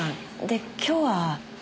で今日は？